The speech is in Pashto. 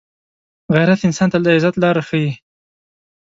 غیرت انسان ته د عزت لاره ښيي